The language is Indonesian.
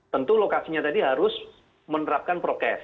tentu lokasinya tadi harus menerapkan prokes